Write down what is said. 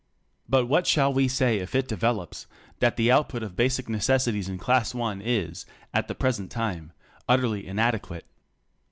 But what shall we say if it develops that the 11 output of basic necessities in class one is at the present time utterly inadequate?